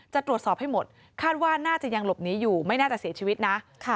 จะตรวจสอบให้หมดคาดว่าน่าจะยังหลบหนีอยู่ไม่น่าจะเสียชีวิตนะ